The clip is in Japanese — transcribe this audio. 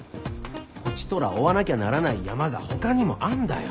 こちとら追わなきゃならないヤマが他にもあんだよ。